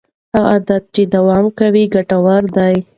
هغه عادت چې دوام کوي ګټور دی.